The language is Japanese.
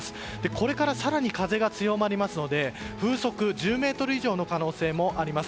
これから更に風が強まりますので風速１０メートル以上の可能性もあります。